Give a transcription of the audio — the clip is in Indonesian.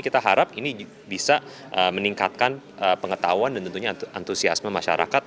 kita harap ini bisa meningkatkan pengetahuan dan tentunya antusiasme masyarakat